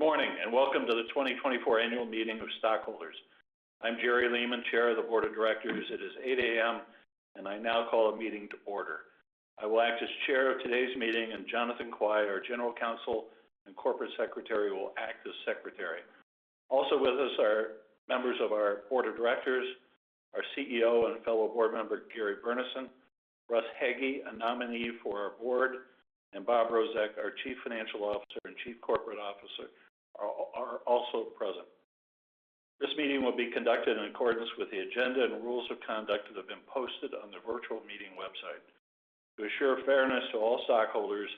Good morning, and welcome to the 2024 Annual Meeting of Stockholders. I'm Jerry Leamon, Chair of the Board of Directors. It is 8:00 A.M., and I now call the meeting to order. I will act as Chair of today's meeting, and Jonathan Kuai, our General Counsel and Corporate Secretary, will act as Secretary. Also with us are members of our Board of Directors, our CEO and fellow board member, Gary Burnison; Russ Hagey, a nominee for our board; and Bob Rozek, our Chief Financial Officer and Chief Corporate Officer, are also present. This meeting will be conducted in accordance with the agenda and rules of conduct that have been posted on the virtual meeting website. To assure fairness to all stockholders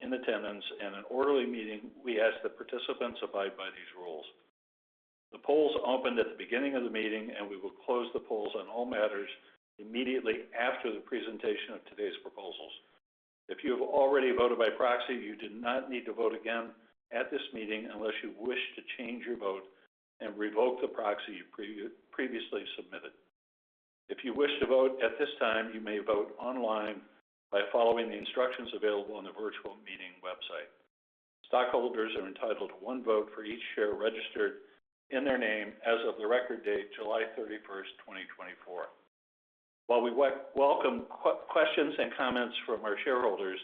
in attendance and an orderly meeting, we ask that participants abide by these rules. The polls opened at the beginning of the meeting, and we will close the polls on all matters immediately after the presentation of today's proposals. If you have already voted by proxy, you do not need to vote again at this meeting unless you wish to change your vote and revoke the proxy you previously submitted. If you wish to vote at this time, you may vote online by following the instructions available on the virtual meeting website. Stockholders are entitled to one vote for each share registered in their name as of the record date, July 31st, 2024. While we welcome questions and comments from our shareholders,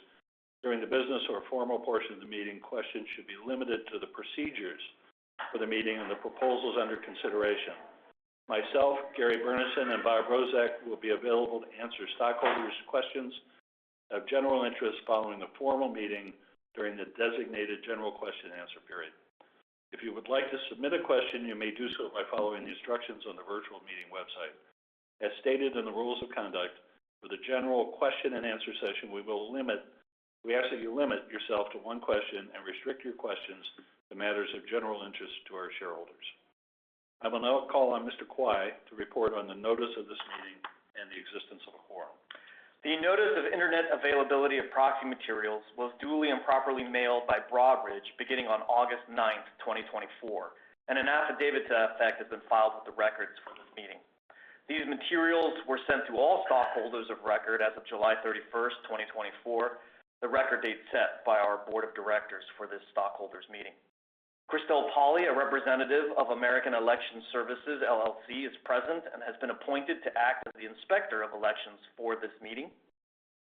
during the business or formal portion of the meeting, questions should be limited to the procedures for the meeting and the proposals under consideration. Myself, Gary Burnison, and Bob Rozek will be available to answer stockholders' questions of general interest following the formal meeting during the designated general question and answer period. If you would like to submit a question, you may do so by following the instructions on the virtual meeting website. As stated in the rules of conduct, for the general question and answer session, we ask that you limit yourself to one question and restrict your questions to matters of general interest to our shareholders. I will now call on Mr. Kuai to report on the notice of this meeting and the existence of a quorum. The notice of internet availability of proxy materials was duly and properly mailed by Broadridge beginning on August 9th, 2024, and an affidavit to that effect has been filed with the records for this meeting. These materials were sent to all stockholders of record as of July 31st, 2024, the record date set by our Board of Directors for this stockholders meeting. Christelle Pauli, a representative of American Election Services, LLC, is present and has been appointed to act as the Inspector of Elections for this meeting.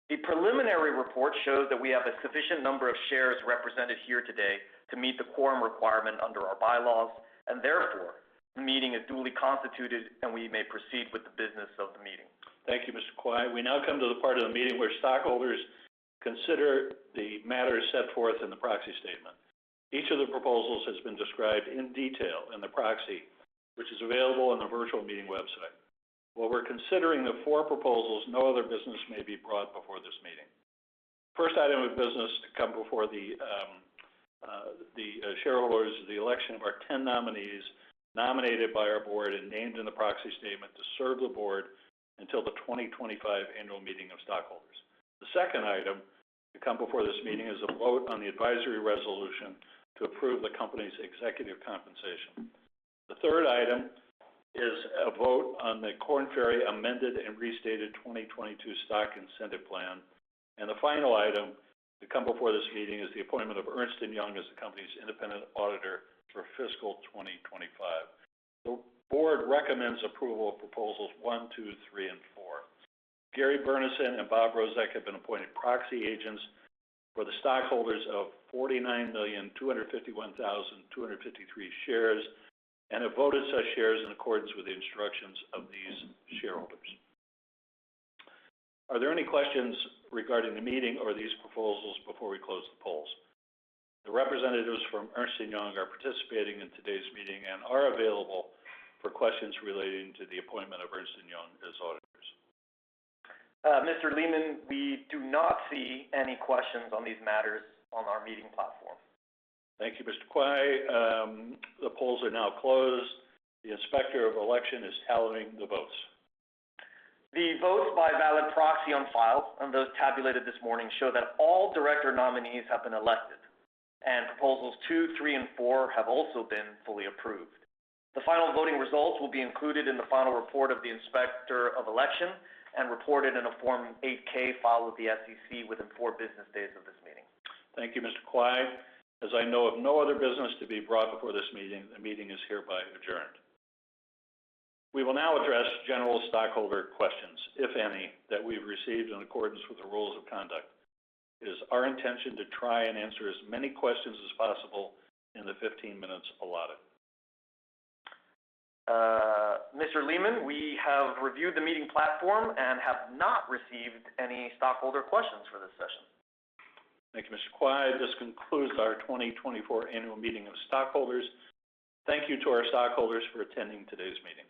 The preliminary report shows that we have a sufficient number of shares represented here today to meet the quorum requirement under our bylaws, and therefore, the meeting is duly constituted, and we may proceed with the business of the meeting. Thank you, Mr. Kuai. We now come to the part of the meeting where stockholders consider the matters set forth in the proxy statement. Each of the proposals has been described in detail in the proxy, which is available on the virtual meeting website. While we're considering the four proposals, no other business may be brought before this meeting. First item of business to come before the shareholders is the election of our ten nominees, nominated by our board and named in the proxy statement to serve the board until the 2025 annual meeting of stockholders. The second item to come before this meeting is a vote on the advisory resolution to approve the company's executive compensation. The third item is a vote on the Korn Ferry Amended and Restated 2022 Stock Incentive Plan. And the final item to come before this meeting is the appointment of Ernst & Young as the company's independent auditor for Fiscal 2025. The board recommends approval of proposals one, two, three, and four. Gary Burnison and Bob Rozek have been appointed proxy agents for the stockholders of 49,251,253 shares and have voted such shares in accordance with the instructions of these shareholders. Are there any questions regarding the meeting or these proposals before we close the polls? The representatives from Ernst & Young are participating in today's meeting and are available for questions relating to the appointment of Ernst & Young as auditors. Mr. Leamon, we do not see any questions on these matters on our meeting platform. Thank you, Mr. Kuai. The polls are now closed. The Inspector of Election is tallying the votes. The votes by valid proxy on file and those tabulated this morning show that all director nominees have been elected, and proposals two, three, and four have also been fully approved. The final voting results will be included in the final report of the Inspector of Elections and reported in a Form 8-K filed with the SEC within four business days of this meeting. Thank you, Mr. Kuai. As I know of no other business to be brought before this meeting, the meeting is hereby adjourned. We will now address general stockholder questions, if any, that we've received in accordance with the rules of conduct. It is our intention to try and answer as many questions as possible in the 15 minutes allotted. Mr. Leamon, we have reviewed the meeting platform and have not received any stockholder questions for this session. Thank you, Mr. Kuai. This concludes our 2024 Annual Meeting of Stockholders. Thank you to our stockholders for attending today's meeting.